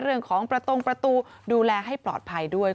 เรื่องของประตงประตูดูแลให้ปลอดภัยด้วย